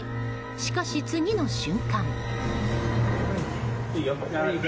しかし、次の瞬間。